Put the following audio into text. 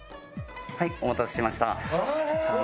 はいお待たせしました。